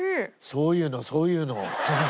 そういうのそういうの。